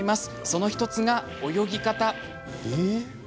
その１つが泳ぎ方。